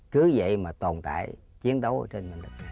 cứ vậy mà tồn tại chiến đấu ở trên